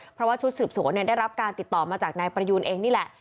เพราะว่าชุดสืบสวนได้รับการติดต่อมาจากนายประยูนเองนี่แหละ